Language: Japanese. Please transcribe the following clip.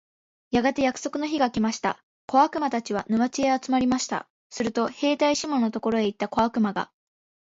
やがて約束の日が来ましたので、小悪魔たちは、沼地へ集まりました。すると兵隊シモンのところへ行った小悪魔が、